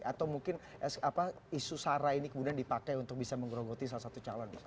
atau mungkin isu sara ini kemudian dipakai untuk bisa menggerogoti salah satu calon